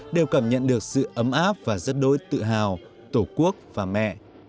đều cảm nhận được sự ấm áp và rất đối tự hào tổ quốc và mẹ